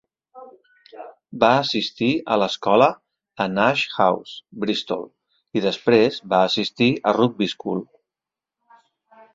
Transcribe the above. Va assistir a l'escola a Nash House, Bristol, i després va assistir a Rugby School.